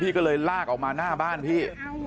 ก็เลยลากออกมาหน้าบ้านพี่